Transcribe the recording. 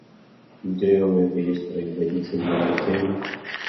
Дело это есть производительная артель....